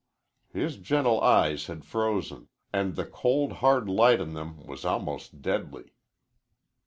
His gentle eyes had frozen, and the cold, hard light in them was almost deadly.